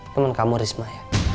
temen kamu risma ya